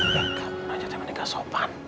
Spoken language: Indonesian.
ya kamu nanya teman teman yang gak sopan